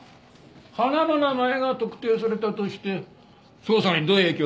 花の名前が特定されたとして捜査にどう影響するのかね？